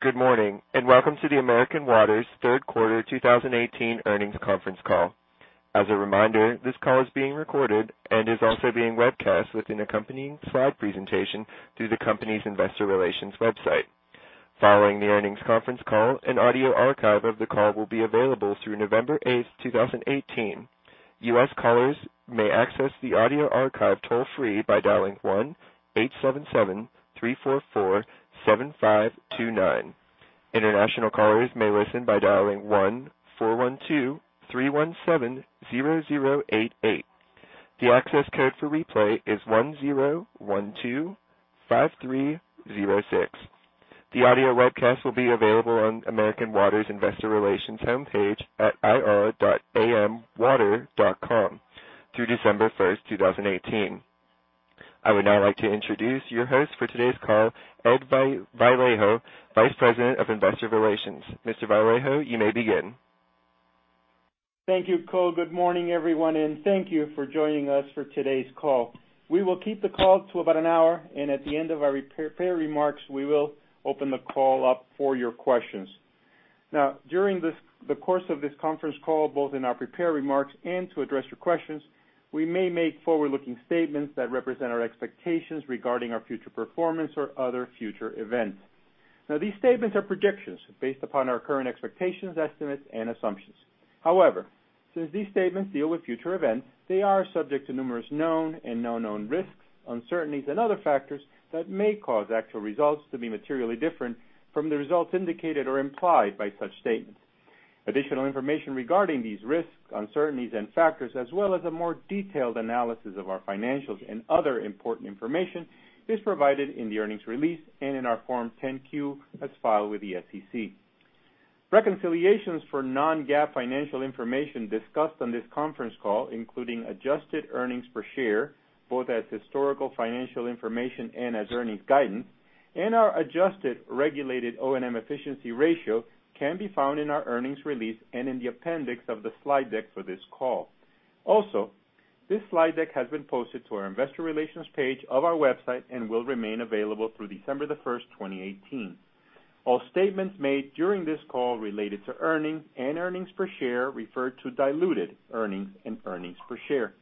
Good morning, and welcome to the American Water's third quarter 2018 earnings conference call. As a reminder, this call is being recorded and is also being webcast with an accompanying slide presentation through the company's investor relations website. Following the earnings conference call, an audio archive of the call will be available through November 8th, 2018. U.S. callers may access the audio archive toll-free by dialing 1-877-344-7529. International callers may listen by dialing 1-412-317-0088. The access code for replay is 10125306. The audio webcast will be available on American Water's investor relations homepage at ir.amwater.com through December 1st, 2018. I would now like to introduce your host for today's call, Ed Vallejo, Vice President of Investor Relations. Mr. Vallejo, you may begin. Thank you, Cole. Good morning, everyone, and thank you for joining us for today's call. We will keep the call to about an hour, and at the end of our prepared remarks, we will open the call up for your questions. During the course of this conference call, both in our prepared remarks and to address your questions, we may make forward-looking statements that represent our expectations regarding our future performance or other future events. These statements are projections based upon our current expectations, estimates, and assumptions. However, since these statements deal with future events, they are subject to numerous known and unknown risks, uncertainties, and other factors that may cause actual results to be materially different from the results indicated or implied by such statements. Additional information regarding these risks, uncertainties, and factors, as well as a more detailed analysis of our financials and other important information, is provided in the earnings release and in our Form 10-Q as filed with the SEC. Reconciliations for non-GAAP financial information discussed on this conference call, including adjusted earnings per share, both as historical financial information and as earnings guidance, and our adjusted regulated O&M efficiency ratio can be found in our earnings release and in the appendix of the slide deck for this call. Also, this slide deck has been posted to our investor relations page of our website and will remain available through December 1st, 2018. All statements made during this call related to earnings and earnings per share refer to diluted earnings and earnings per share.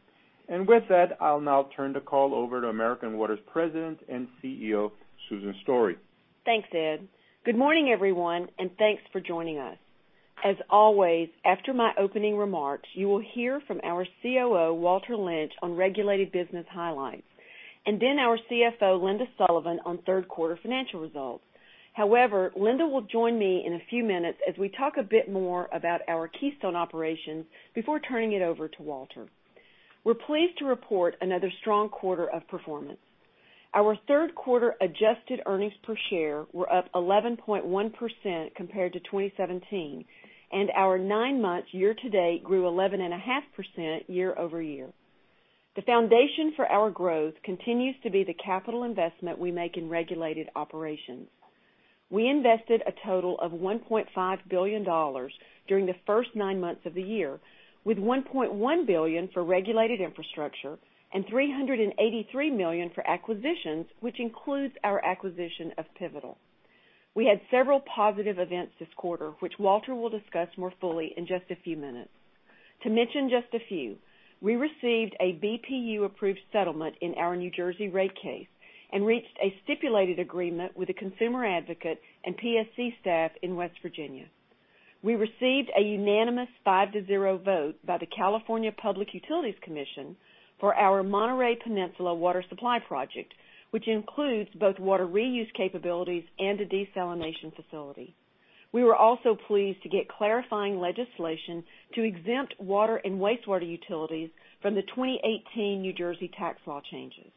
With that, I'll now turn the call over to American Water's President and CEO, Susan Story. Thanks, Ed. Good morning, everyone, and thanks for joining us. As always, after my opening remarks, you will hear from our COO, Walter Lynch, on regulated business highlights, and then our CFO, Linda Sullivan, on third-quarter financial results. However, Linda will join me in a few minutes as we talk a bit more about our Keystone operations before turning it over to Walter. We're pleased to report another strong quarter of performance. Our third quarter adjusted earnings per share were up 11.1% compared to 2017, and our nine months year to date grew 11.5% year over year. The foundation for our growth continues to be the capital investment we make in regulated operations. We invested a total of $1.5 billion during the first nine months of the year, with $1.1 billion for regulated infrastructure and $383 million for acquisitions, which includes our acquisition of Pivotal. We had several positive events this quarter, which Walter will discuss more fully in just a few minutes. To mention just a few, we received a BPU-approved settlement in our New Jersey rate case and reached a stipulated agreement with a consumer advocate and PSC staff in West Virginia. We received a unanimous five to zero vote by the California Public Utilities Commission for our Monterey Peninsula Water Supply Project, which includes both water reuse capabilities and a desalination facility. We were also pleased to get clarifying legislation to exempt water and wastewater utilities from the 2018 New Jersey tax law changes.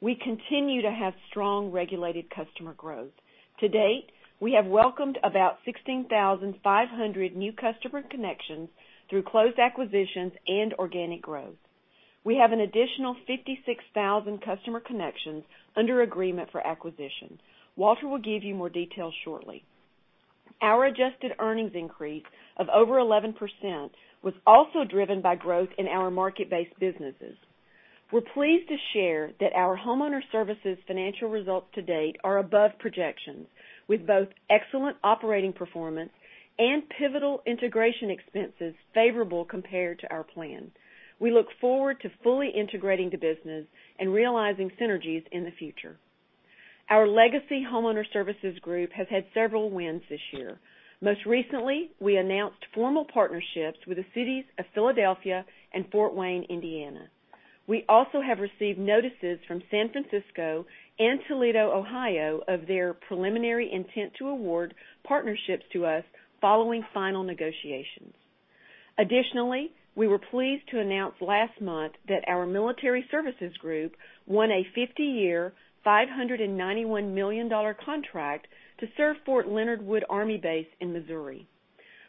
We continue to have strong regulated customer growth. To date, we have welcomed about 16,500 new customer connections through closed acquisitions and organic growth. We have an additional 56,000 customer connections under agreement for acquisition. Walter will give you more details shortly. Our adjusted earnings increase of over 11% was also driven by growth in our market-based businesses. We're pleased to share that our Homeowner Services financial results to date are above projections, with both excellent operating performance and Pivotal integration expenses favorable compared to our plan. We look forward to fully integrating the business and realizing synergies in the future. Our legacy Homeowner Services Group has had several wins this year. Most recently, we announced formal partnerships with the cities of Philadelphia and Fort Wayne, Indiana. We also have received notices from San Francisco and Toledo, Ohio, of their preliminary intent to award partnerships to us following final negotiations. We were pleased to announce last month that our military services group won a 50-year, $591 million contract to serve Fort Leonard Wood Army Base in Missouri.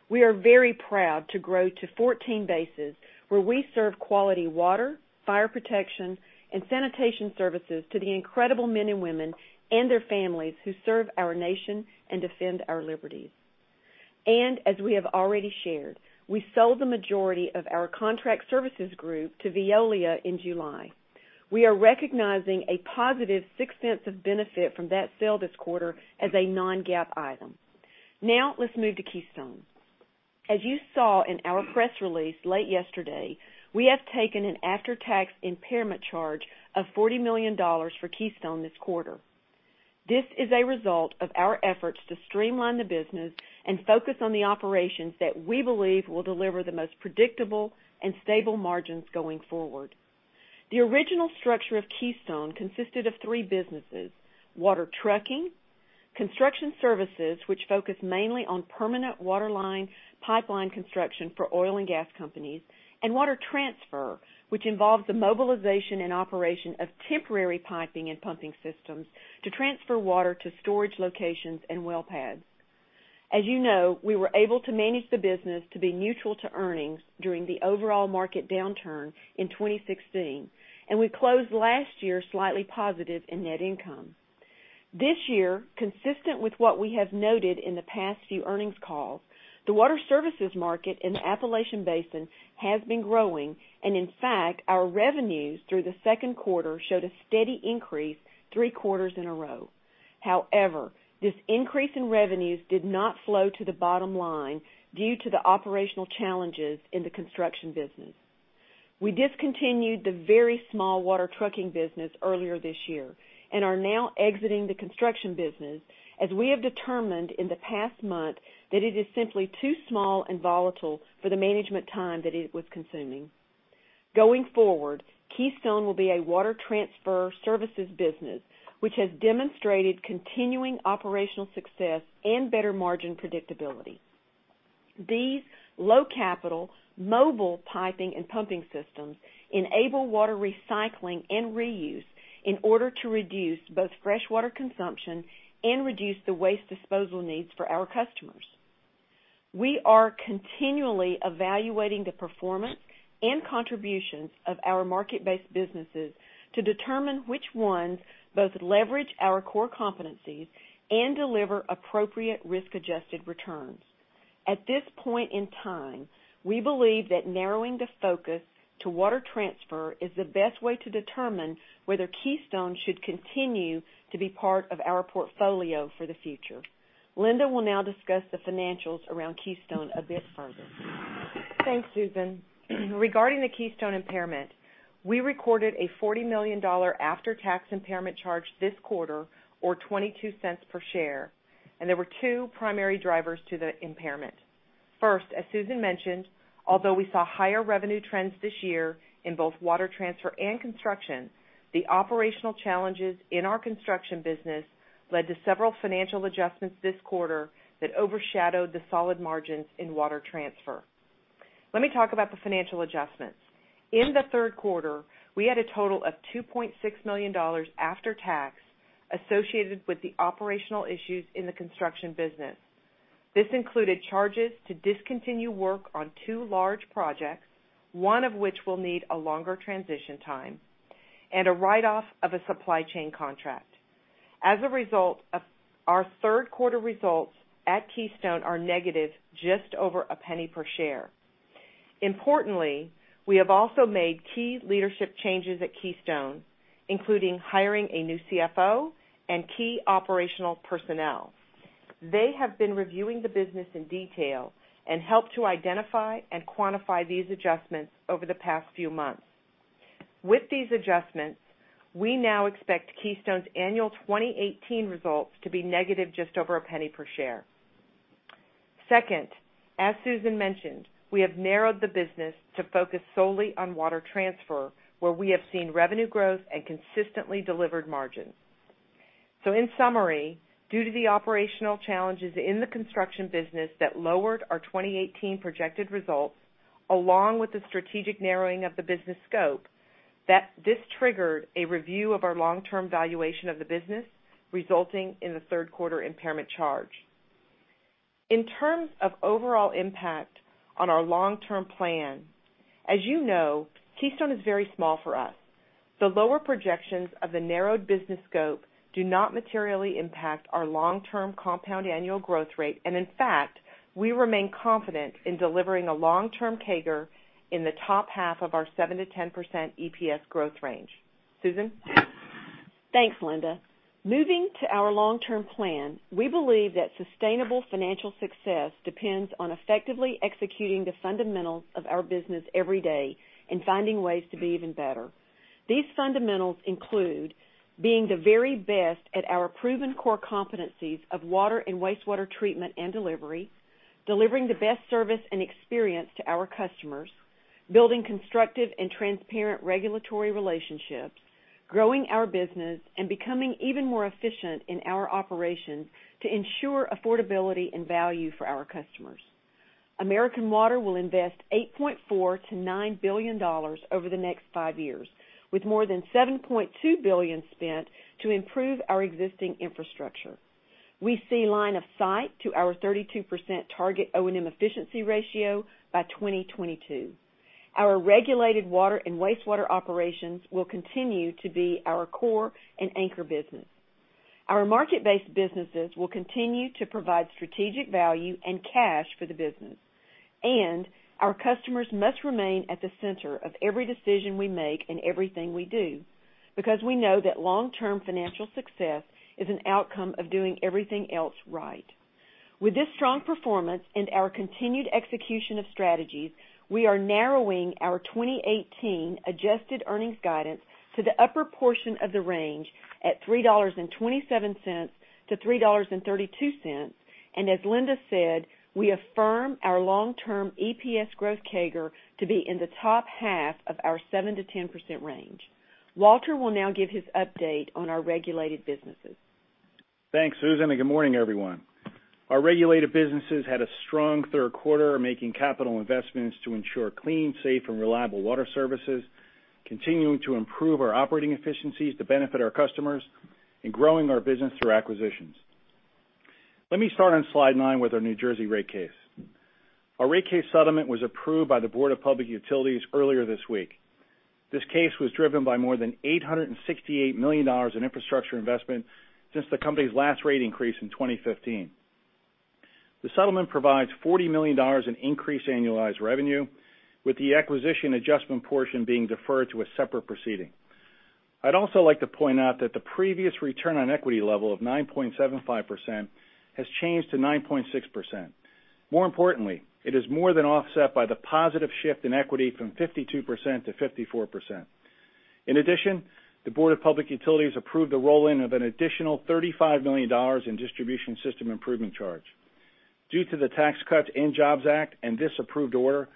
We are very proud to grow to 14 bases where we serve quality water, fire protection, and sanitation services to the incredible men and women and their families who serve our nation and defend our liberties. As we have already shared, we sold the majority of our contract services group to Veolia in July. We are recognizing a positive $0.06 of benefit from that sale this quarter as a non-GAAP item. Now let's move to Keystone. As you saw in our press release late yesterday, we have taken an after-tax impairment charge of $40 million for Keystone this quarter. This is a result of our efforts to streamline the business and focus on the operations that we believe will deliver the most predictable and stable margins going forward. The original structure of Keystone consisted of three businesses: water trucking, construction services, which focus mainly on permanent waterline pipeline construction for oil and gas companies, and water transfer, which involves the mobilization and operation of temporary piping and pumping systems to transfer water to storage locations and well pads. As you know, we were able to manage the business to be neutral to earnings during the overall market downturn in 2016, and we closed last year slightly positive in net income. This year, consistent with what we have noted in the past few earnings calls, the water services market in the Appalachian Basin has been growing, and in fact, our revenues through the second quarter showed a steady increase three quarters in a row. However, this increase in revenues did not flow to the bottom line due to the operational challenges in the construction business. We discontinued the very small water trucking business earlier this year and are now exiting the construction business, as we have determined in the past month that it is simply too small and volatile for the management time that it was consuming. Going forward, Keystone will be a water transfer services business, which has demonstrated continuing operational success and better margin predictability. These low-capital mobile piping and pumping systems enable water recycling and reuse in order to reduce both freshwater consumption and reduce the waste disposal needs for our customers. We are continually evaluating the performance and contributions of our market-based businesses to determine which ones both leverage our core competencies and deliver appropriate risk-adjusted returns. At this point in time, we believe that narrowing the focus to water transfer is the best way to determine whether Keystone should continue to be part of our portfolio for the future. Linda will now discuss the financials around Keystone a bit further. Thanks, Susan. Regarding the Keystone impairment, we recorded a $40 million after-tax impairment charge this quarter, or $0.22 per share. There were two primary drivers to the impairment. First, as Susan mentioned, although we saw higher revenue trends this year in both water transfer and construction, the operational challenges in our construction business led to several financial adjustments this quarter that overshadowed the solid margins in water transfer. Let me talk about the financial adjustments. In the third quarter, we had a total of $2.6 million after-tax associated with the operational issues in the construction business. This included charges to discontinue work on two large projects, one of which will need a longer transition time, and a write-off of a supply chain contract. As a result, our third quarter results at Keystone are negative just over $0.01 per share. Importantly, we have also made key leadership changes at Keystone, including hiring a new CFO and key operational personnel. They have been reviewing the business in detail and helped to identify and quantify these adjustments over the past few months. With these adjustments, we now expect Keystone's annual 2018 results to be negative just over $0.01 per share. Second, as Susan mentioned, we have narrowed the business to focus solely on water transfer, where we have seen revenue growth and consistently delivered margins. In summary, due to the operational challenges in the construction business that lowered our 2018 projected results, along with the strategic narrowing of the business scope, this triggered a review of our long-term valuation of the business, resulting in the third quarter impairment charge. In terms of overall impact on our long-term plan, as you know, Keystone is very small for us. The lower projections of the narrowed business scope do not materially impact our long-term compound annual growth rate. In fact, we remain confident in delivering a long-term CAGR in the top half of our 7%-10% EPS growth range. Susan? Thanks, Linda. Moving to our long-term plan, we believe that sustainable financial success depends on effectively executing the fundamentals of our business every day and finding ways to be even better. These fundamentals include being the very best at our proven core competencies of water and wastewater treatment and delivery, delivering the best service and experience to our customers, building constructive and transparent regulatory relationships, growing our business, and becoming even more efficient in our operations to ensure affordability and value for our customers. American Water will invest $8.4 billion-$9 billion over the next five years, with more than $7.2 billion spent to improve our existing infrastructure. We see line of sight to our 32% target O&M efficiency ratio by 2022. Our regulated water and wastewater operations will continue to be our core and anchor business. Our market-based businesses will continue to provide strategic value and cash for the business. Our customers must remain at the center of every decision we make in everything we do, because we know that long-term financial success is an outcome of doing everything else right. With this strong performance and our continued execution of strategies, we are narrowing our 2018 adjusted earnings guidance to the upper portion of the range at $3.27-$3.32. As Linda said, we affirm our long-term EPS growth CAGR to be in the top half of our 7%-10% range. Walter will now give his update on our regulated businesses. Thanks, Susan. Good morning, everyone. Our regulated businesses had a strong third quarter, making capital investments to ensure clean, safe, and reliable water services, continuing to improve our operating efficiencies to benefit our customers, and growing our business through acquisitions. Let me start on slide nine with our New Jersey rate case. Our rate case settlement was approved by the Board of Public Utilities earlier this week. This case was driven by more than $868 million in infrastructure investment since the company's last rate increase in 2015. The settlement provides $40 million in increased annualized revenue, with the acquisition adjustment portion being deferred to a separate proceeding. I'd also like to point out that the previous return on equity level of 9.75% has changed to 9.6%. More importantly, it is more than offset by the positive shift in equity from 52%-54%. In addition, the Board of Public Utilities approved the roll-in of an additional $35 million in Distribution System Improvement Charge. Due to the Tax Cuts and Jobs Act and this approved order,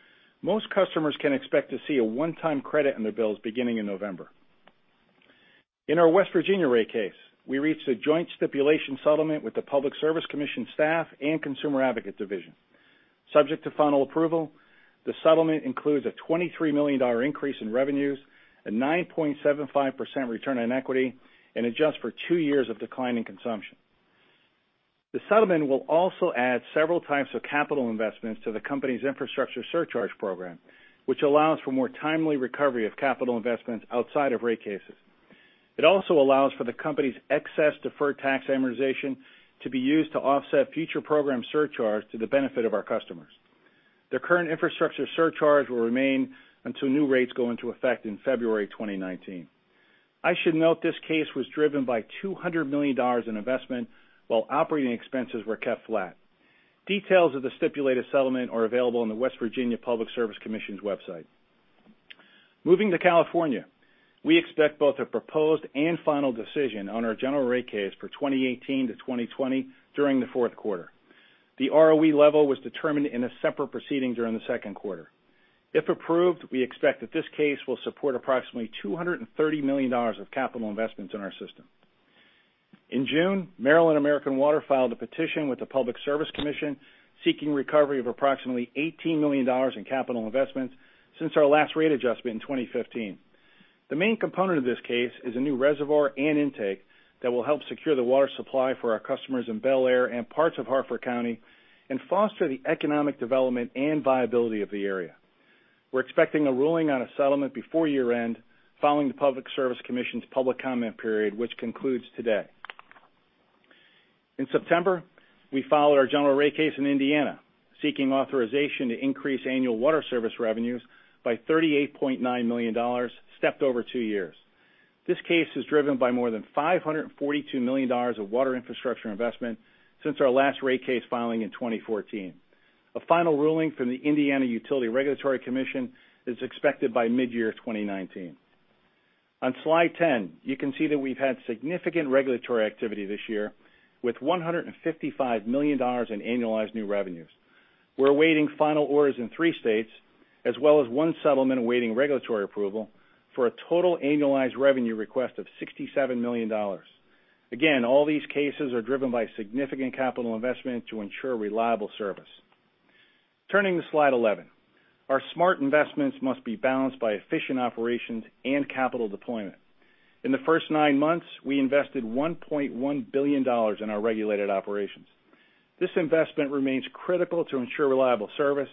most customers can expect to see a one-time credit on their bills beginning in November. In our West Virginia rate case, we reached a joint stipulation settlement with the Public Service Commission staff and Consumer Advocate division. Subject to final approval, the settlement includes a $23 million increase in revenues, a 9.75% return on equity, and adjusts for two years of declining consumption. The settlement will also add several types of capital investments to the company's infrastructure surcharge program, which allows for more timely recovery of capital investments outside of rate cases. It also allows for the company's excess deferred tax amortization to be used to offset future program surcharge to the benefit of our customers. The current infrastructure surcharge will remain until new rates go into effect in February 2019. I should note this case was driven by $200 million in investment while operating expenses were kept flat. Details of the stipulated settlement are available on the West Virginia Public Service Commission's website. Moving to California, we expect both a proposed and final decision on our general rate case for 2018-2020 during the fourth quarter. The ROE level was determined in a separate proceeding during the second quarter. If approved, we expect that this case will support approximately $230 million of capital investments in our system. In June, Maryland American Water filed a petition with the Public Service Commission seeking recovery of approximately $18 million in capital investments since our last rate adjustment in 2015. The main component of this case is a new reservoir and intake that will help secure the water supply for our customers in Bel Air and parts of Harford County and foster the economic development and viability of the area. We're expecting a ruling on a settlement before year-end following the Public Service Commission's public comment period, which concludes today. In September, we filed our general rate case in Indiana, seeking authorization to increase annual water service revenues by $38.9 million, stepped over two years. This case is driven by more than $542 million of water infrastructure investment since our last rate case filing in 2014. A final ruling from the Indiana Utility Regulatory Commission is expected by mid-year 2019. On slide 10, you can see that we've had significant regulatory activity this year with $155 million in annualized new revenues. We're awaiting final orders in three states, as well as one settlement awaiting regulatory approval for a total annualized revenue request of $67 million. Again, all these cases are driven by significant capital investment to ensure reliable service. Turning to slide 11. Our smart investments must be balanced by efficient operations and capital deployment. In the first nine months, we invested $1.1 billion in our regulated operations. This investment remains critical to ensure reliable service,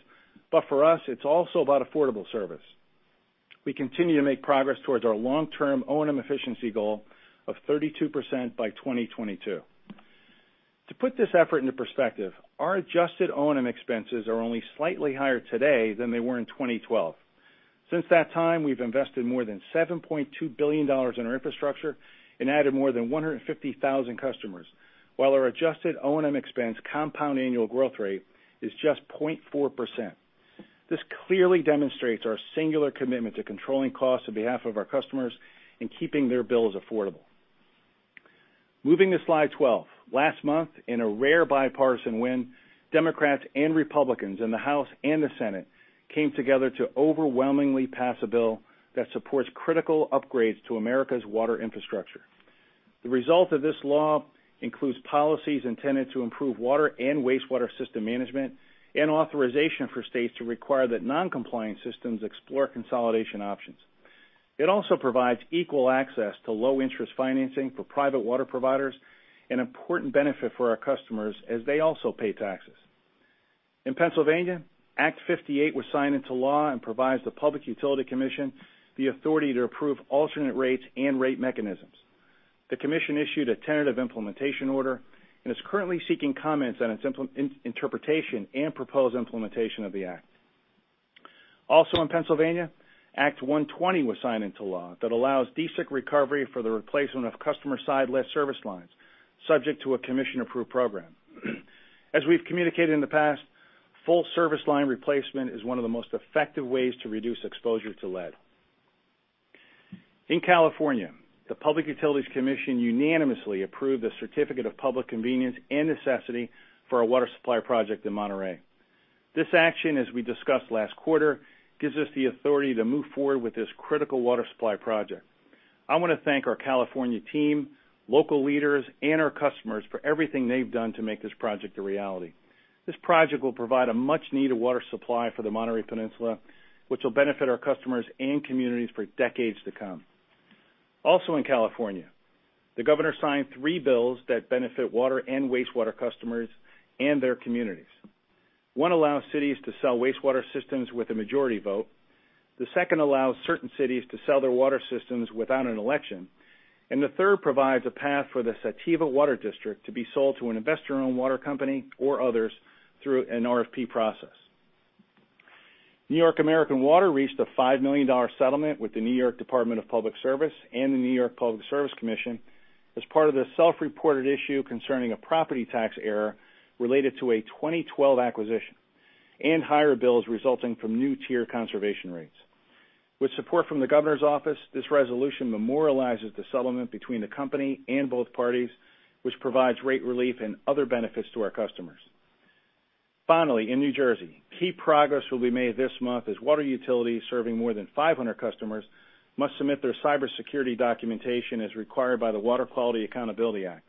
but for us, it's also about affordable service. We continue to make progress towards our long-term O&M efficiency goal of 32% by 2022. To put this effort into perspective, our adjusted O&M expenses are only slightly higher today than they were in 2012. Since that time, we've invested more than $7.2 billion in our infrastructure and added more than 150,000 customers, while our adjusted O&M expense compound annual growth rate is just 0.4%. This clearly demonstrates our singular commitment to controlling costs on behalf of our customers and keeping their bills affordable. Moving to slide 12. Last month, in a rare bipartisan win, Democrats and Republicans in the House and the Senate came together to overwhelmingly pass a bill that supports critical upgrades to America's water infrastructure. The result of this law includes policies intended to improve water and wastewater system management and authorization for states to require that non-compliant systems explore consolidation options. It also provides equal access to low-interest financing for private water providers, an important benefit for our customers as they also pay taxes. In Pennsylvania, Act 58 was signed into law and provides the Public Utility Commission the authority to approve alternate rates and rate mechanisms. The commission issued a tentative implementation order and is currently seeking comments on its interpretation and proposed implementation of the act. Also in Pennsylvania, Act 120 was signed into law that allows basic recovery for the replacement of customer-side lead service lines, subject to a commission-approved program. As we've communicated in the past, full service line replacement is one of the most effective ways to reduce exposure to lead. In California, the Public Utilities Commission unanimously approved a certificate of public convenience and necessity for our Monterey Peninsula Water Supply Project. This action, as we discussed last quarter, gives us the authority to move forward with this critical water supply project. I want to thank our California team, local leaders, and our customers for everything they've done to make this project a reality. This project will provide a much-needed water supply for the Monterey Peninsula, which will benefit our customers and communities for decades to come. Also in California, the governor signed three bills that benefit water and wastewater customers and their communities. One allows cities to sell wastewater systems with a majority vote, the second allows certain cities to sell their water systems without an election, and the third provides a path for the Sativa Water District to be sold to an investor-owned water company or others through an RFP process. New York American Water reached a $5 million settlement with the New York State Department of Public Service and the New York State Public Service Commission as part of the self-reported issue concerning a property tax error related to a 2012 acquisition and higher bills resulting from new tier conservation rates. With support from the governor's office, this resolution memorializes the settlement between the company and both parties, which provides rate relief and other benefits to our customers. Finally, in New Jersey, key progress will be made this month as water utilities serving more than 500 customers must submit their cybersecurity documentation as required by the Water Quality Accountability Act.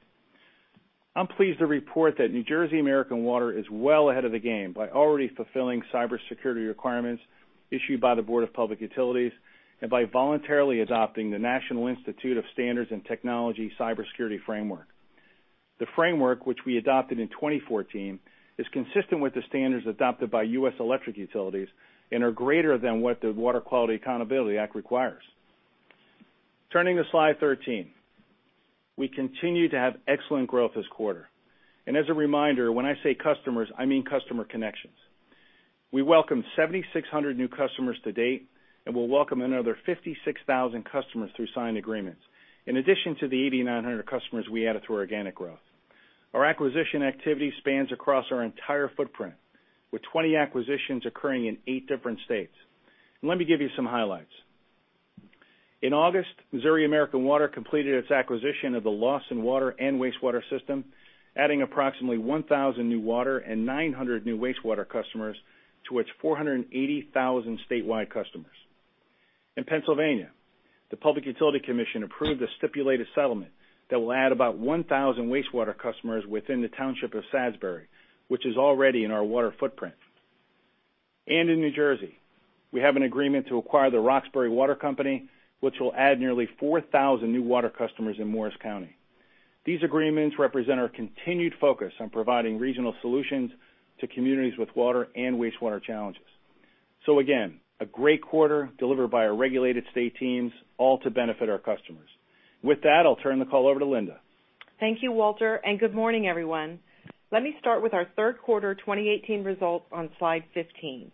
I'm pleased to report that New Jersey American Water is well ahead of the game by already fulfilling cybersecurity requirements issued by the Board of Public Utilities and by voluntarily adopting the National Institute of Standards and Technology cybersecurity framework. The framework, which we adopted in 2014, is consistent with the standards adopted by U.S. electric utilities and are greater than what the Water Quality Accountability Act requires. Turning to Slide 13. We continue to have excellent growth this quarter. As a reminder, when I say customers, I mean customer connections. We welcome 7,600 new customers to date, and we'll welcome another 56,000 customers through signed agreements, in addition to the 8,900 customers we added through organic growth. Our acquisition activity spans across our entire footprint, with 20 acquisitions occurring in 8 different states. Let me give you some highlights. In August, Missouri American Water completed its acquisition of the Lawson Water and Wastewater System, adding approximately 1,000 new water and 900 new wastewater customers to its 480,000 statewide customers. In Pennsylvania, the Public Utility Commission approved a stipulated settlement that will add about 1,000 wastewater customers within the township of Salisbury, which is already in our water footprint. In New Jersey, we have an agreement to acquire the Roxbury Water Company, which will add nearly 4,000 new water customers in Morris County. These agreements represent our continued focus on providing regional solutions to communities with water and wastewater challenges. Again, a great quarter delivered by our regulated state teams, all to benefit our customers. With that, I'll turn the call over to Linda. Thank you, Walter, and good morning, everyone. Let me start with our third quarter 2018 results on Slide 15.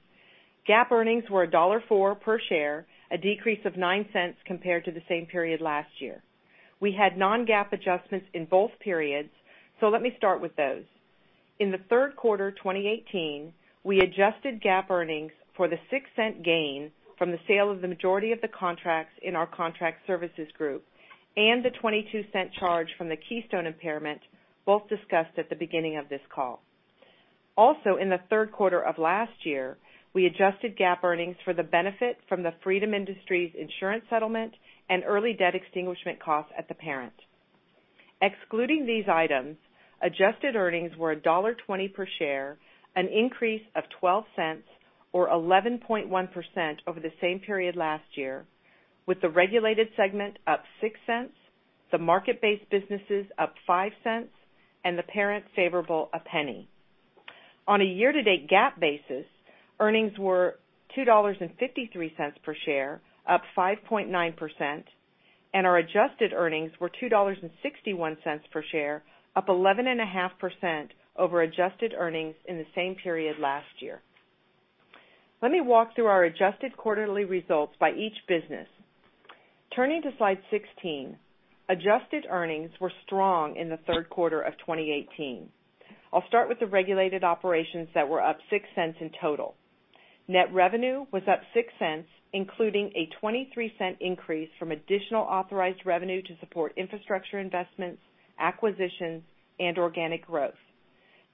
GAAP earnings were $1.04 per share, a decrease of $0.09 compared to the same period last year. We had non-GAAP adjustments in both periods, let me start with those. In the third quarter 2018, we adjusted GAAP earnings for the $0.06 gain from the sale of the majority of the contracts in our contract services group and the $0.22 charge from the Keystone impairment, both discussed at the beginning of this call. In the third quarter of last year, we adjusted GAAP earnings for the benefit from the Freedom Industries insurance settlement and early debt extinguishment costs at the parent. Excluding these items, adjusted earnings were $1.20 per share, an increase of $0.12 or 11.1% over the same period last year, with the regulated segment up $0.06, the market-based businesses up $0.05, and the parent favorable $0.01. On a year-to-date GAAP basis, earnings were $2.53 per share, up 5.9%, and our adjusted earnings were $2.61 per share, up 11.5% over adjusted earnings in the same period last year. Let me walk through our adjusted quarterly results by each business. Turning to Slide 16, adjusted earnings were strong in the third quarter of 2018. I'll start with the regulated operations that were up $0.06 in total. Net revenue was up $0.06, including a $0.23 increase from additional authorized revenue to support infrastructure investments, acquisitions, and organic growth.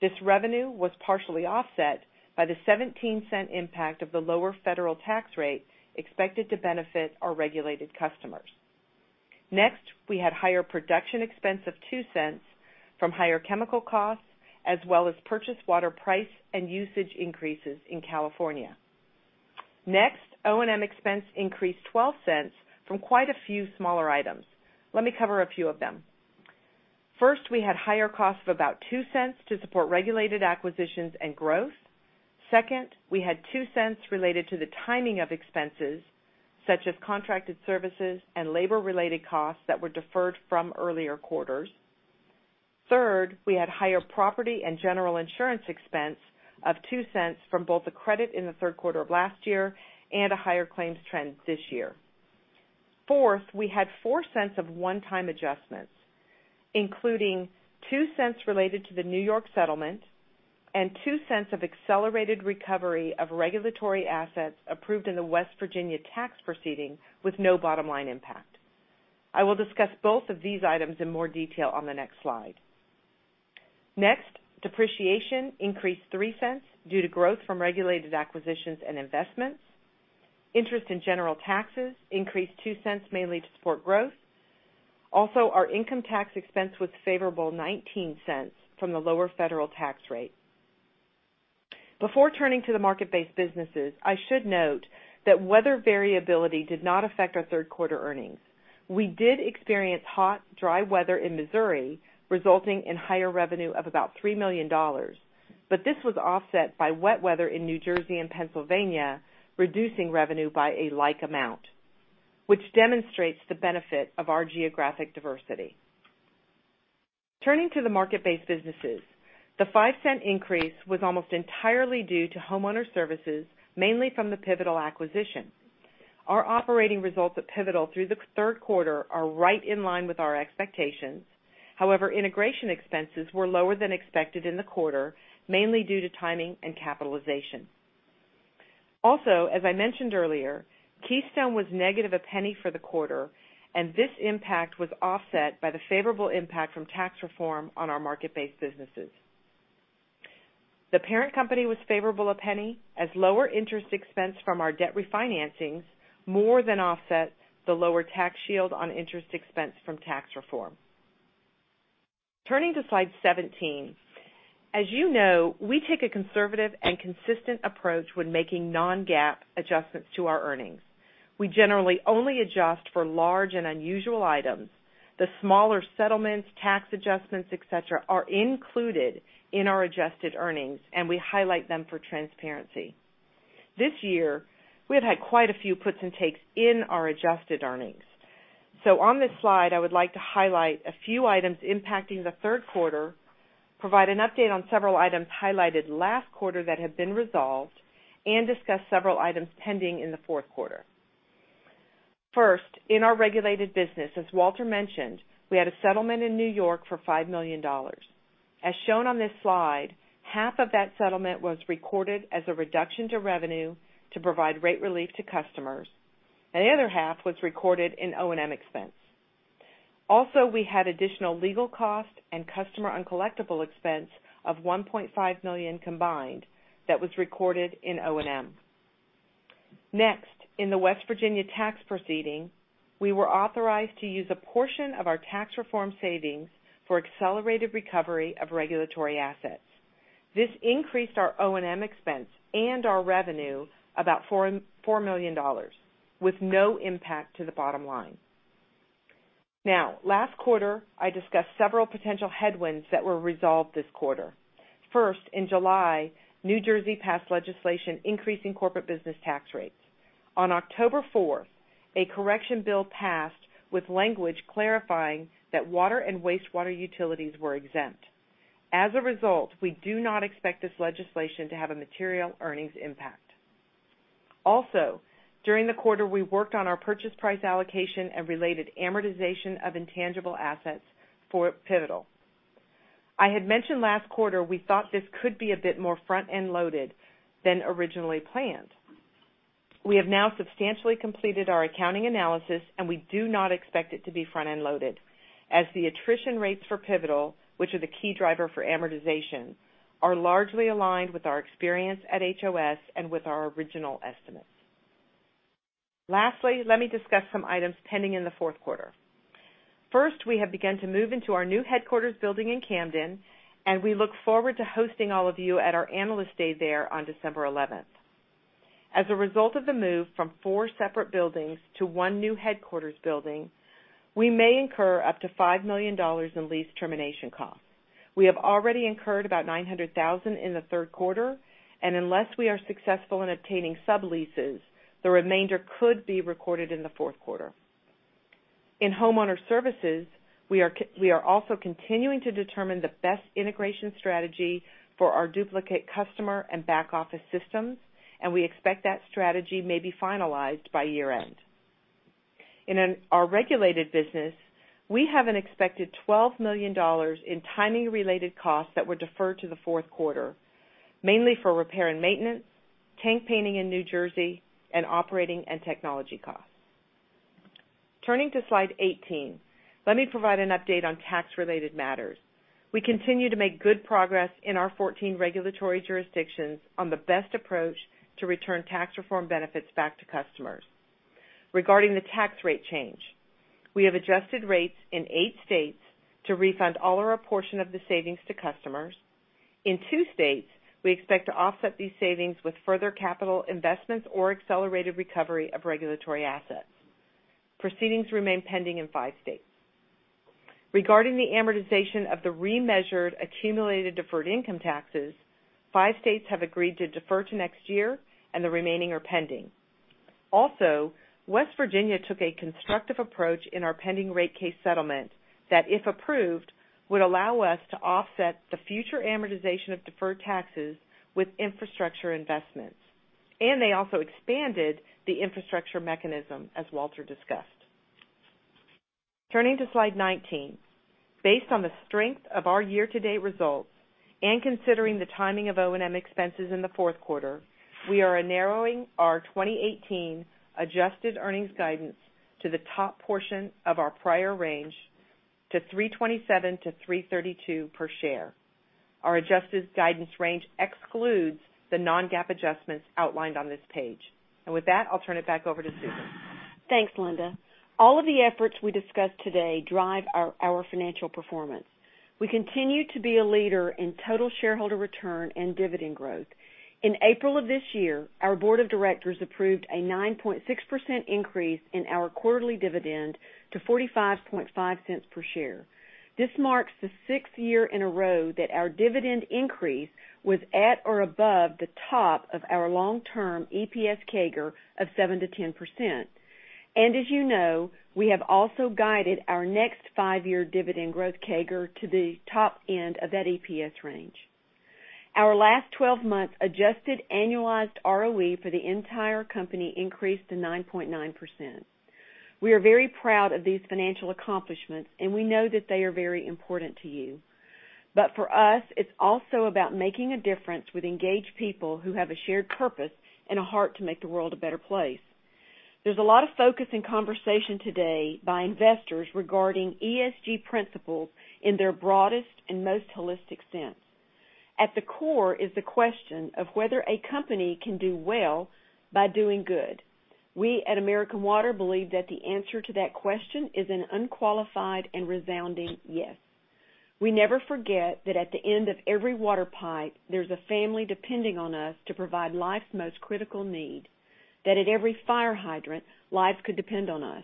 This revenue was partially offset by the $0.17 impact of the lower federal tax rate expected to benefit our regulated customers. Next, we had higher production expense of $0.02 from higher chemical costs, as well as purchased water price and usage increases in California. Next, O&M expense increased $0.12 from quite a few smaller items. Let me cover a few of them. First, we had higher costs of about $0.02 to support regulated acquisitions and growth. Second, we had $0.02 related to the timing of expenses, such as contracted services and labor-related costs that were deferred from earlier quarters. Third, we had higher property and general insurance expense of $0.02 from both the credit in the third quarter of last year and a higher claims trend this year. Fourth, we had $0.04 of one-time adjustments, including $0.02 related to the New York settlement and $0.02 of accelerated recovery of regulatory assets approved in the West Virginia tax proceeding with no bottom-line impact. I will discuss both of these items in more detail on the next slide. Next, depreciation increased $0.03 due to growth from regulated acquisitions and investments. Interest and general taxes increased $0.02, mainly to support growth. Also, our income tax expense was favorable $0.19 from the lower federal tax rate. Before turning to the market-based businesses, I should note that weather variability did not affect our third-quarter earnings. We did experience hot, dry weather in Missouri, resulting in higher revenue of about $3 million. This was offset by wet weather in New Jersey and Pennsylvania, reducing revenue by a like amount, which demonstrates the benefit of our geographic diversity. Turning to the market-based businesses, the $0.05 increase was almost entirely due to Homeowner Services, mainly from the Pivotal acquisition. Our operating results at Pivotal through the third quarter are right in line with our expectations. However, integration expenses were lower than expected in the quarter, mainly due to timing and capitalization. Also, as I mentioned earlier, Keystone was negative $0.01 for the quarter, and this impact was offset by the favorable impact from tax reform on our market-based businesses. The parent company was favorable $0.01, as lower interest expense from our debt refinancings more than offset the lower tax shield on interest expense from tax reform. Turning to slide 17. As you know, we take a conservative and consistent approach when making non-GAAP adjustments to our earnings. We generally only adjust for large and unusual items. The smaller settlements, tax adjustments, et cetera, are included in our adjusted earnings. We highlight them for transparency. This year, we have had quite a few puts and takes in our adjusted earnings. On this slide, I would like to highlight a few items impacting the third quarter, provide an update on several items highlighted last quarter that have been resolved, and discuss several items pending in the fourth quarter. First, in our regulated business, as Walter mentioned, we had a settlement in New York for $5 million. As shown on this slide, half of that settlement was recorded as a reduction to revenue to provide rate relief to customers, and the other half was recorded in O&M expense. Also, we had additional legal cost and customer uncollectible expense of $1.5 million combined that was recorded in O&M. Next, in the West Virginia tax proceeding, we were authorized to use a portion of our tax reform savings for accelerated recovery of regulatory assets. This increased our O&M expense and our revenue about $4 million with no impact to the bottom line. Last quarter, I discussed several potential headwinds that were resolved this quarter. First, in July, New Jersey passed legislation increasing corporate business tax rates. On October 4th, a correction bill passed with language clarifying that water and wastewater utilities were exempt. As a result, we do not expect this legislation to have a material earnings impact. During the quarter, we worked on our purchase price allocation and related amortization of intangible assets for Pivotal. I had mentioned last quarter we thought this could be a bit more front-end loaded than originally planned. We have now substantially completed our accounting analysis, and we do not expect it to be front-end loaded, as the attrition rates for Pivotal, which are the key driver for amortization, are largely aligned with our experience at HOS and with our original estimates. Lastly, let me discuss some items pending in the fourth quarter. First, we have begun to move into our new headquarters building in Camden, and we look forward to hosting all of you at our Analyst Day there on December 11th. As a result of the move from four separate buildings to one new headquarters building, we may incur up to $5 million in lease termination costs. We have already incurred about $900,000 in the third quarter, and unless we are successful in obtaining subleases, the remainder could be recorded in the fourth quarter. In Homeowner Services, we are also continuing to determine the best integration strategy for our duplicate customer and back-office systems, and we expect that strategy may be finalized by year-end. In our regulated business, we have an expected $12 million in timing-related costs that were deferred to the fourth quarter, mainly for repair and maintenance, tank painting in New Jersey, and operating and technology costs. Turning to slide 18. Let me provide an update on tax-related matters. We continue to make good progress in our 14 regulatory jurisdictions on the best approach to return tax reform benefits back to customers. Regarding the tax rate change, we have adjusted rates in eight states to refund all or a portion of the savings to customers. In two states, we expect to offset these savings with further capital investments or accelerated recovery of regulatory assets. Proceedings remain pending in five states. Regarding the amortization of the remeasured accumulated deferred income taxes, five states have agreed to defer to next year, and the remaining are pending. West Virginia took a constructive approach in our pending rate case settlement that, if approved, would allow us to offset the future amortization of deferred taxes with infrastructure investments. They also expanded the infrastructure mechanism, as Walter discussed. Turning to slide 19. Based on the strength of our year-to-date results and considering the timing of O&M expenses in the fourth quarter, we are narrowing our 2018 adjusted earnings guidance to the top portion of our prior range to $3.27 to $3.32 per share. Our adjusted guidance range excludes the non-GAAP adjustments outlined on this page. With that, I'll turn it back over to Susan. Thanks, Linda. All of the efforts we discussed today drive our financial performance. We continue to be a leader in total shareholder return and dividend growth. In April of this year, our board of directors approved a 9.6% increase in our quarterly dividend to $0.455 per share. This marks the sixth year in a row that our dividend increase was at or above the top of our long-term EPS CAGR of 7%-10%. As you know, we have also guided our next five-year dividend growth CAGR to the top end of that EPS range. Our last 12 months adjusted annualized ROE for the entire company increased to 9.9%. We are very proud of these financial accomplishments. We know that they are very important to you. For us, it's also about making a difference with engaged people who have a shared purpose and a heart to make the world a better place. There's a lot of focus and conversation today by investors regarding ESG principles in their broadest and most holistic sense. At the core is the question of whether a company can do well by doing good. We at American Water believe that the answer to that question is an unqualified and resounding yes. We never forget that at the end of every water pipe, there's a family depending on us to provide life's most critical need, that at every fire hydrant, lives could depend on us,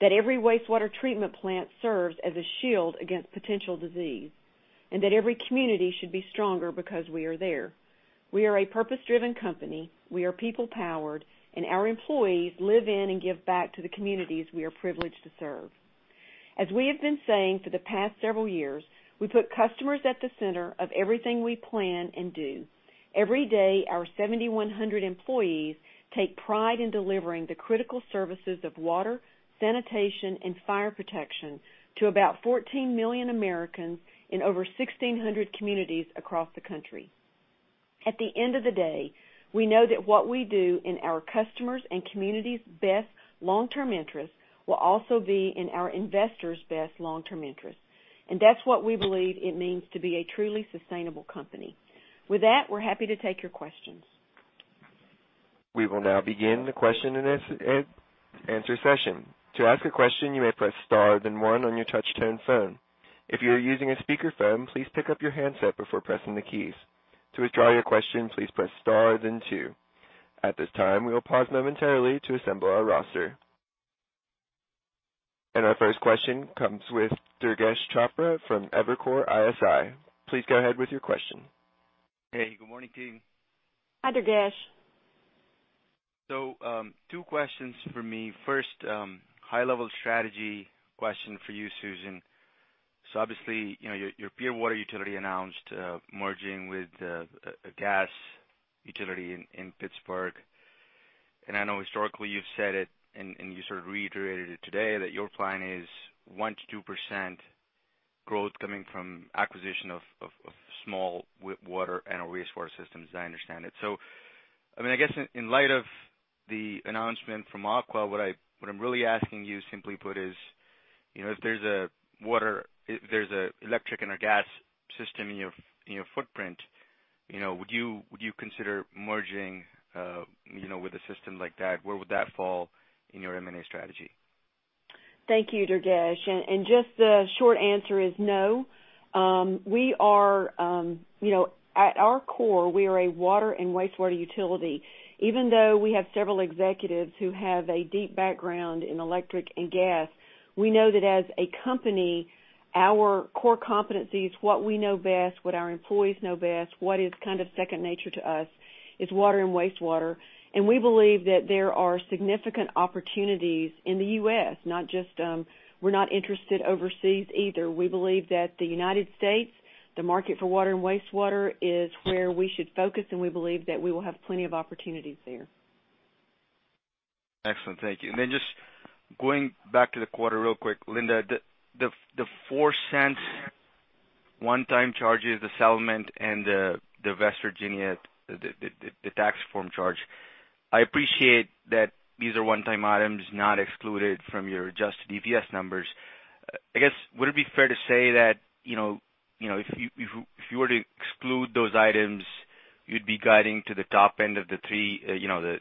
that every wastewater treatment plant serves as a shield against potential disease, and that every community should be stronger because we are there. We are a purpose-driven company. We are people-powered. Our employees live in and give back to the communities we are privileged to serve. As we have been saying for the past several years, we put customers at the center of everything we plan and do. Every day, our 7,100 employees take pride in delivering the critical services of water, sanitation, and fire protection to about 14 million Americans in over 1,600 communities across the country. At the end of the day, we know that what we do in our customers' and communities' best long-term interest will also be in our investors' best long-term interest. That's what we believe it means to be a truly sustainable company. With that, we're happy to take your questions. We will now begin the question and answer session. To ask a question, you may press star then one on your touch-tone phone. If you are using a speakerphone, please pick up your handset before pressing the keys. To withdraw your question, please press star then two. At this time, we will pause momentarily to assemble our roster. Our first question comes with Durgesh Chopra from Evercore ISI. Please go ahead with your question. Hey, good morning, team. Hi, Durgesh. Two questions from me. First, high-level strategy question for you, Susan. Obviously, your peer water utility announced merging with a gas utility in Pittsburgh. I know historically you've said it, and you sort of reiterated it today, that your plan is 1%-2% growth coming from acquisition of small water and wastewater systems, as I understand it. I guess in light of the announcement from Aqua, what I'm really asking you simply put is, if there's an electric and a gas system in your footprint, would you consider merging with a system like that? Where would that fall in your M&A strategy? Thank you, Durgesh. Just the short answer is no. At our core, we are a water and wastewater utility. Even though we have several executives who have a deep background in electric and gas, we know that as a company, our core competencies, what we know best, what our employees know best, what is kind of second nature to us, is water and wastewater. We believe that there are significant opportunities in the U.S. We're not interested overseas either. We believe that the United States, the market for water and wastewater is where we should focus, and we believe that we will have plenty of opportunities there. Excellent, thank you. Just going back to the quarter real quick, Linda, the $0.04 one-time charges, the settlement and the West Virginia, the Tax Cuts and Jobs Act charge. I appreciate that these are one-time items not excluded from your adjusted EPS numbers. I guess, would it be fair to say that, if you were to exclude those items, you'd be guiding to the top end of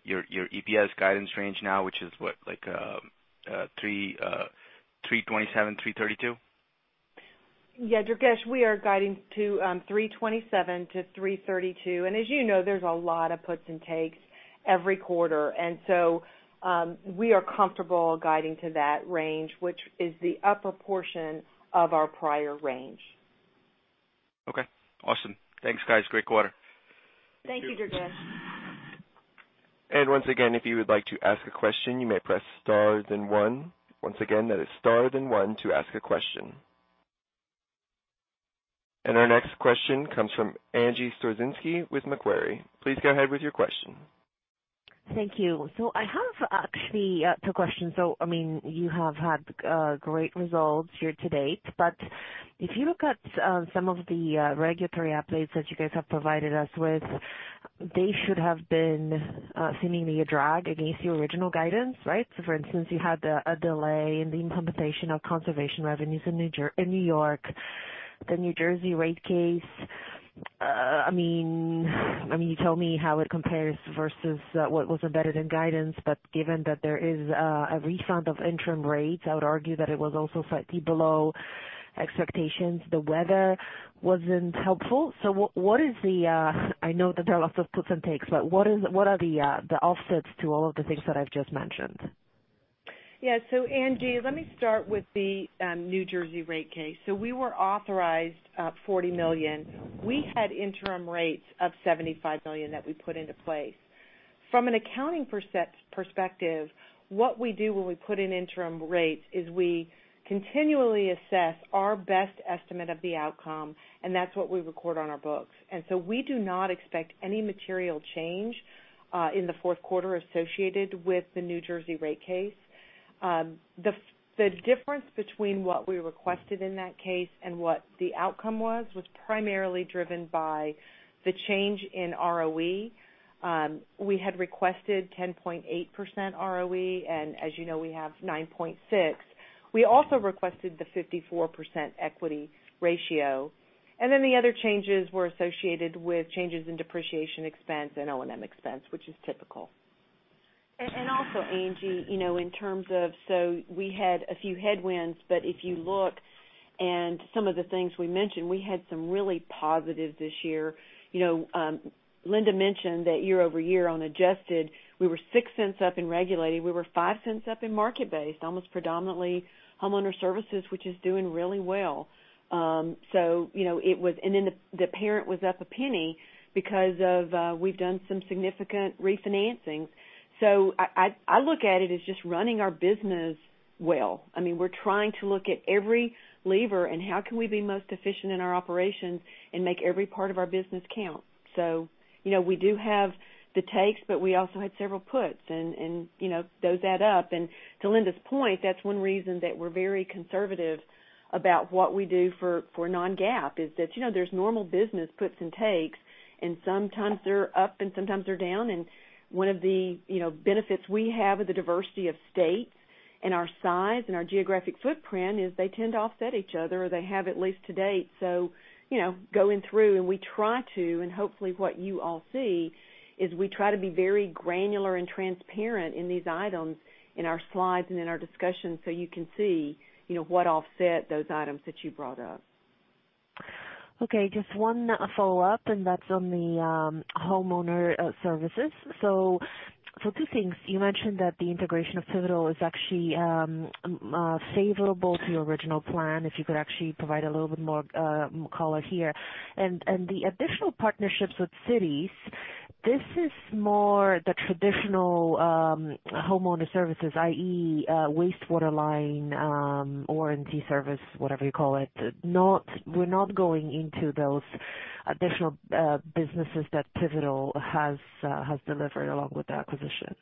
your EPS guidance range now, which is what? Like, $3.27, $3.32? Yeah, Durgesh, we are guiding to $3.27 to $3.32, as you know, there's a lot of puts and takes every quarter. We are comfortable guiding to that range, which is the upper portion of our prior range. Okay, awesome. Thanks, guys. Great quarter. Thank you, Durgesh. Once again, if you would like to ask a question, you may press star, then one. Once again, that is star, then one to ask a question. Our next question comes from Angie Storozynski with Macquarie. Please go ahead with your question. Thank you. I have actually two questions. You have had great results year-to-date, but if you look at some of the regulatory updates that you guys have provided us with, they should have been seemingly a drag against your original guidance, right? For instance, you had a delay in the implementation of conservation revenues in New York. The New Jersey rate case. You tell me how it compares versus what was embedded in guidance. Given that there is a refund of interim rates, I would argue that it was also slightly below expectations. The weather wasn't helpful. I know that there are lots of puts and takes, what are the offsets to all of the things that I've just mentioned? Angie, let me start with the New Jersey rate case. We were authorized $40 million. We had interim rates of $75 million that we put into place. From an accounting perspective, what we do when we put in interim rates is we continually assess our best estimate of the outcome, and that's what we record on our books. We do not expect any material change in the fourth quarter associated with the New Jersey rate case. The difference between what we requested in that case and what the outcome was primarily driven by the change in ROE. We had requested 10.8% ROE, and as you know, we have 9.6%. We also requested the 54% equity ratio. The other changes were associated with changes in depreciation expense and O&M expense, which is typical. Also, Angie, in terms of, we had a few headwinds, if you look and some of the things we mentioned, we had some really positive this year. Linda mentioned that year-over-year on adjusted, we were $0.06 up in regulated. We were $0.05 up in market based, almost predominantly Homeowner Services, which is doing really well. The parent was up $0.01 because of, we've done some significant refinancing. I look at it as just running our business well. We're trying to look at every lever and how can we be most efficient in our operations and make every part of our business count. We do have the takes, we also had several puts and those add up. To Linda's point, that's one reason that we're very conservative about what we do for non-GAAP, is that there's normal business puts and takes, and sometimes they're up and sometimes they're down. One of the benefits we have of the diversity of states and our size and our geographic footprint is they tend to offset each other, or they have at least to date. Going through and we try to, and hopefully what you all see, is we try to be very granular and transparent in these items in our slides and in our discussion so you can see what offset those items that you brought up. Okay. Just one follow-up, that's on the Homeowner Services. Two things. You mentioned that the integration of Pivotal is actually favorable to your original plan. If you could actually provide a little bit more color here. The additional partnerships with cities, this is more the traditional Homeowner Services, i.e., wastewater line, R&D service, whatever you call it. We're not going into those additional businesses that Pivotal has delivered along with the acquisition.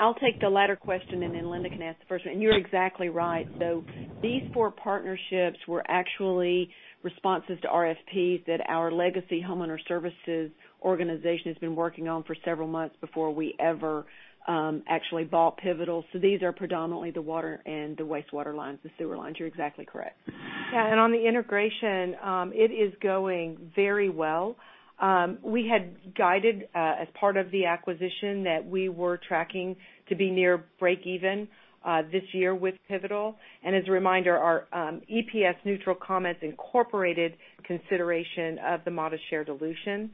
I'll take the latter question, then Linda can answer the first one. You're exactly right, though. These four partnerships were actually responses to RFPs that our legacy homeowner services organization has been working on for several months before we ever actually bought Pivotal. These are predominantly the water and the wastewater lines, the sewer lines. You're exactly correct. On the integration, it is going very well. We had guided, as part of the acquisition, that we were tracking to be near breakeven this year with Pivotal. As a reminder, our EPS neutral comments incorporated consideration of the modest share dilution.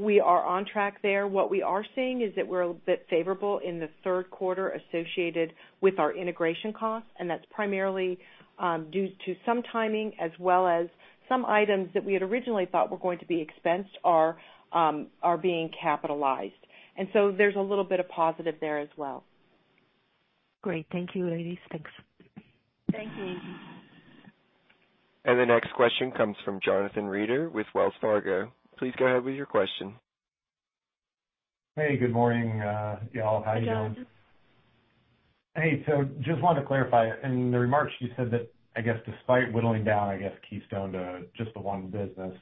We are on track there. What we are seeing is that we're a bit favorable in the third quarter associated with our integration costs, that's primarily due to some timing as well as some items that we had originally thought were going to be expensed are being capitalized. There's a little bit of positive there as well. Great. Thank you, ladies. Thanks. Thank you, Angie. The next question comes from Jonathan Reeder with Wells Fargo. Please go ahead with your question. Hey, good morning, y'all. How are you doing? Good job. Hey, just wanted to clarify. In the remarks, you said that, I guess, despite whittling down Keystone to just the one business,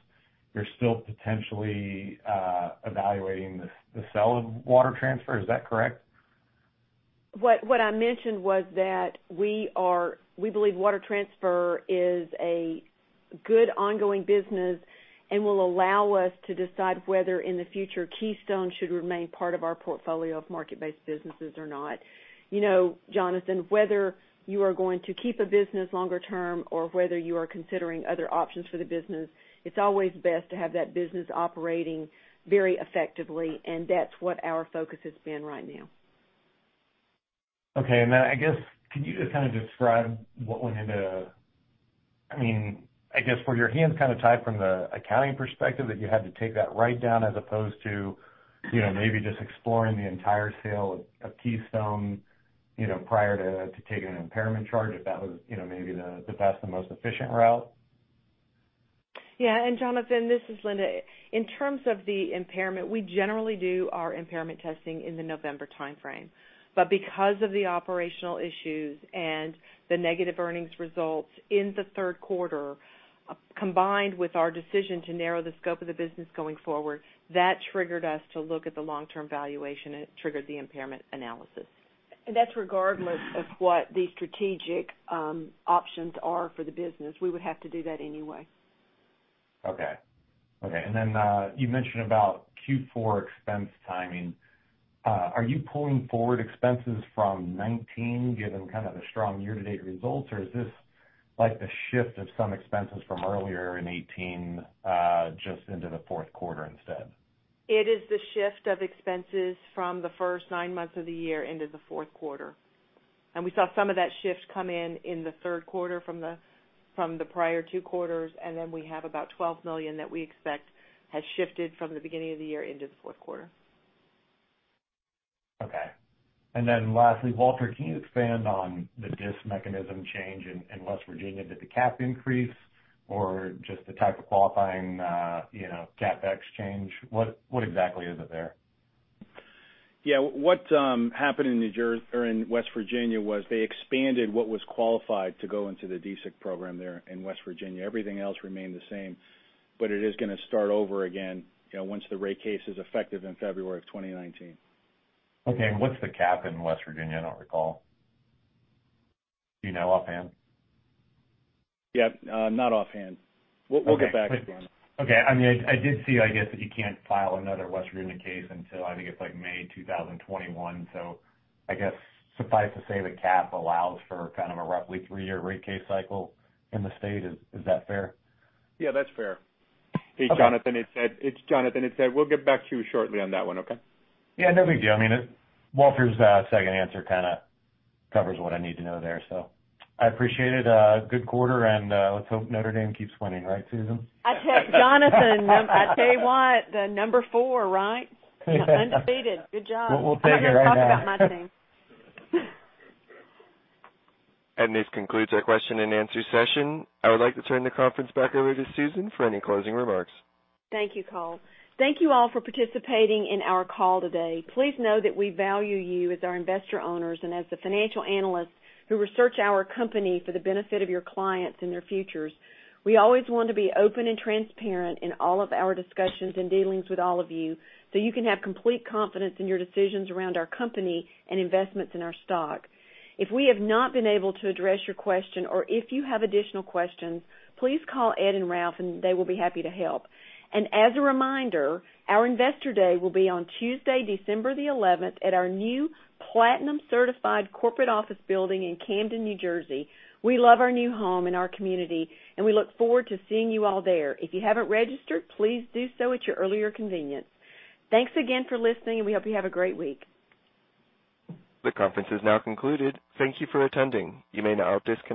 you're still potentially evaluating the sale of Water Transfer. Is that correct? What I mentioned was that we believe Water Transfer is a good ongoing business and will allow us to decide whether, in the future, Keystone should remain part of our portfolio of market-based businesses or not. Jonathan, whether you are going to keep a business longer term or whether you are considering other options for the business, it's always best to have that business operating very effectively, and that's what our focus has been right now. Okay. Then, I guess, could you just describe what went into I guess were your hands kind of tied from the accounting perspective that you had to take that write-down as opposed to maybe just exploring the entire sale of Keystone prior to taking an impairment charge, if that was maybe the best and most efficient route? Yeah. Jonathan, this is Linda. In terms of the impairment, we generally do our impairment testing in the November timeframe. Because of the operational issues and the negative earnings results in the third quarter, combined with our decision to narrow the scope of the business going forward, that triggered us to look at the long-term valuation, and it triggered the impairment analysis. That's regardless of what the strategic options are for the business. We would have to do that anyway. Okay. Then you mentioned about Q4 expense timing. Are you pulling forward expenses from 2019, given the strong year-to-date results? Is this like the shift of some expenses from earlier in 2018, just into the fourth quarter instead? It is the shift of expenses from the first nine months of the year into the fourth quarter. We saw some of that shift come in in the third quarter from the prior two quarters, then we have about $12 million that we expect has shifted from the beginning of the year into the fourth quarter. Lastly, Walter, can you expand on the DSIC mechanism change in West Virginia? Did the cap increase or just the type of qualifying CapEx change? What exactly is it there? Yeah. What happened in West Virginia was they expanded what was qualified to go into the DSIC program there in West Virginia. Everything else remained the same. It is going to start over again once the rate case is effective in February of 2019. Okay, what's the cap in West Virginia? I don't recall. Do you know offhand? Yeah. Not offhand. We'll get back to you on that. Okay. I did see, I guess, that you can't file another West Virginia case until, I think it's like May 2021. I guess suffice to say, the cap allows for kind of a roughly three-year rate case cycle in the state. Is that fair? Yeah, that's fair. Okay. Hey, Jonathan. It's Ed. We'll get back to you shortly on that one, okay? Yeah, no big deal. Walter's second answer kind of covers what I need to know there. I appreciate it. Good quarter, and let's hope Notre Dame keeps winning, right, Susan? Jonathan, I tell you what, the number 4, right? Undefeated. Good job. We'll take it right now. I'm going to talk about my team. This concludes our question and answer session. I would like to turn the conference back over to Susan for any closing remarks. Thank you, Carl. Thank you all for participating in our call today. Please know that we value you as our investor owners and as the financial analysts who research our company for the benefit of your clients and their futures. We always want to be open and transparent in all of our discussions and dealings with all of you, so you can have complete confidence in your decisions around our company and investments in our stock. If we have not been able to address your question or if you have additional questions, please call Ed and Ralph, and they will be happy to help. As a reminder, our Investor Day will be on Tuesday, December the 11th at our new platinum-certified corporate office building in Camden, New Jersey. We love our new home and our community, and we look forward to seeing you all there. If you haven't registered, please do so at your earliest convenience. Thanks again for listening, and we hope you have a great week. The conference is now concluded. Thank you for attending. You may now disconnect.